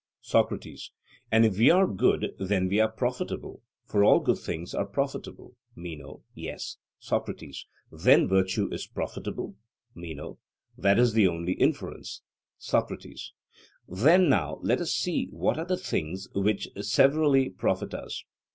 SOCRATES: And if we are good, then we are profitable; for all good things are profitable? MENO: Yes. SOCRATES: Then virtue is profitable? MENO: That is the only inference. SOCRATES: Then now let us see what are the things which severally profit us.